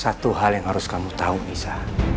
satu hal yang harus kamu tahu misa